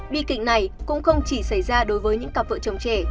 bi kịch này cũng không chỉ xảy ra đối với những cặp vợ chồng trẻ